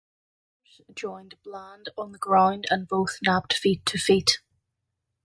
Eyers joined Bland on the ground and both napped feet to feet.